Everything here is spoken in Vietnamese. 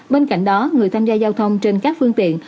bên cạnh đó người tham gia giao thông trên các phương tiện